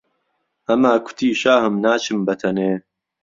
ئهماکوتی شاهم ناچم بهتهنێ